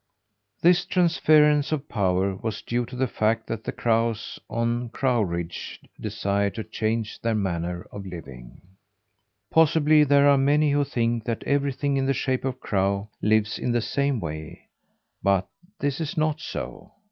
This transference of power was due to the fact that the crows on crow ridge desired to change their manner of living. Possibly there are many who think that everything in the shape of crow lives in the same way; but this is not so.